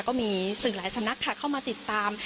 ก็มีสื่อหลายสำนักค่ะเข้ามาติดตาม